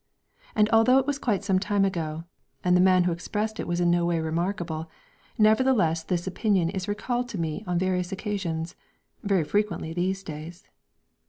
And although it was quite some time ago, and the man who expressed it was in no way remarkable, nevertheless this opinion is recalled to me on various occasions very frequently in these days.